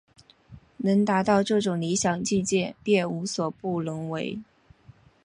能达到这种理想境界便无所不能为。